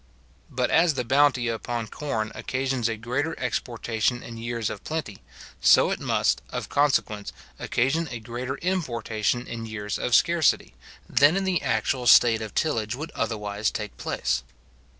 But as the bounty upon corn occasions a greater exportation in years of plenty, so it must, of consequence, occasion a greater importation in years of scarcity, than in the actual state of tillage would otherwise take place.